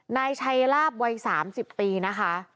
นายชัยลาบวัย๓๐ปีนะคะ